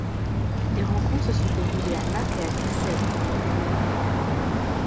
Les rencontres se sont déroulées à Naples et Caserte.